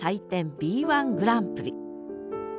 Ｂ−１グランプリ！